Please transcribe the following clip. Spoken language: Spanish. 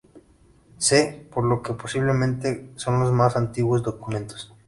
C, por lo que posiblemente son los más antiguos documentos.